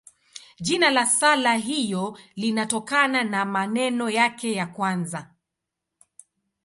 Jina la sala hiyo linatokana na maneno yake ya kwanza.